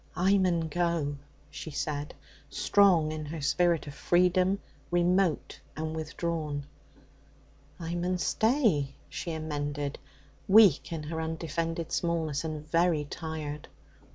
'I mun go,' she said, strong in her spirit of freedom, remote and withdrawn. 'I mun stay,' she amended, weak in her undefended smallness, and very tired.